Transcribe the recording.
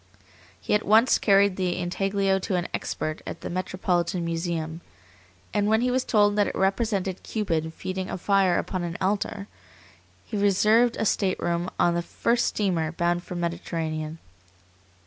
He at once carried the intaglio to an expert at the Metropolitan Museum, and when he was told that it represented Cupid feeding a fire upon an altar, he reserved a stateroom on the first steamer bound for the Mediterranean.